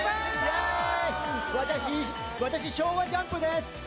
私、昭和ジャンプです。